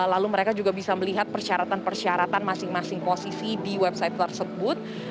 lalu mereka juga bisa melihat persyaratan persyaratan masing masing posisi di website tersebut